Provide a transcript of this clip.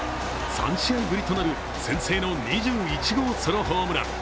３試合ぶりとなる先制の２１号ソロホームラン。